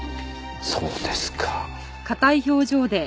そうですか。